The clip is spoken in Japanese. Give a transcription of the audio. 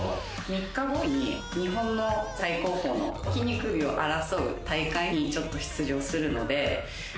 ３日後に日本の最高峰の筋肉美を争う大会に出場するので。